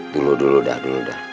dulu dulu dah dulu dah